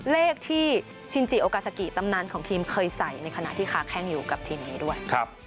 เลขที่ชินจิโอกาซากิตำนานของทีมเคยใส่ในขณะที่ค้าแข้งอยู่กับทีมนี้ด้วย